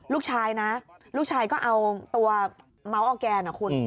ลูกชายนะลูกชายก็เอาตัวเมาส์ออร์แกนนะคุณ